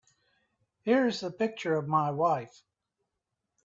Here's the picture of my wife.